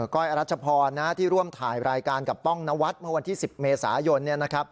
ก้อยอรัชพรที่ร่วมถ่ายรายการกับป้องนวัดเมื่อวันที่๑๐เมษายน